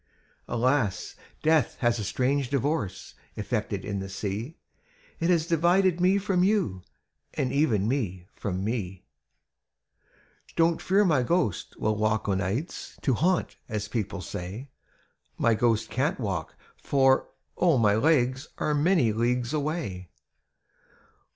''Alas! death has a strange divorce Effected in the sea. It has divided me from you, And even me from me! "Don't fear my ghost will walk o' nights To haunt, as people say; My ghost can't walk, for, oh ! my legs Are many leagues away!